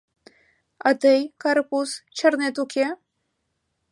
— А тый, карапуз, чарнет, уке?